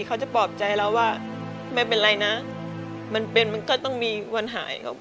เขาจะปลอบใจเราว่าไม่เป็นไรนะมันเป็นมันก็ต้องมีวันหายครับ